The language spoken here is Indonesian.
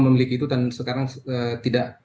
memiliki itu dan sekarang tidak